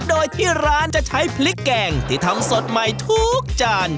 โดยที่ร้านจะใช้พริกแกงที่ทำสดใหม่ทุกจาน